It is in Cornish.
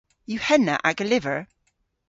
Yw henna aga lyver?